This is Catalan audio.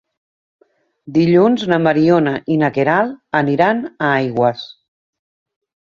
Dilluns na Mariona i na Queralt aniran a Aigües.